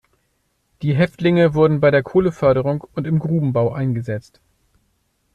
Die Häftlinge wurden bei der Kohleförderung und im Grubenbau eingesetzt.